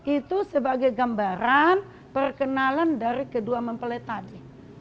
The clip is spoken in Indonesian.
itu sebagai gambaran perkenalan dari kedua mempelai tadi